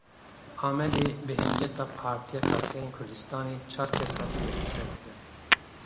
Li Amedê bi hinceta Partiya Karkerên Kurdistanê çar kes hatin desteserkirin.